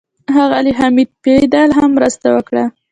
ښاغلي حمید فیدل هم مرسته وکړه.